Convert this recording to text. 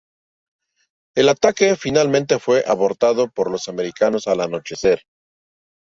El ataque finalmente fue abortado por los americanos al anochecer.